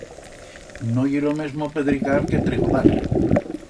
No ye lo mesmo pedricar que trigo dar.